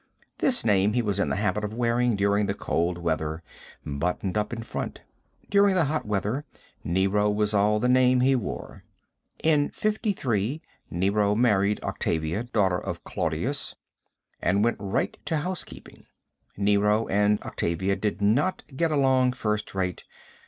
This name he was in the habit of wearing during the cold weather, buttoned up in front. During the hot weather, Nero was all the name he wore. In 53, Nero married Octavia, daughter of Claudius, and went right to housekeeping. Nero and Octavia did not get along first rate.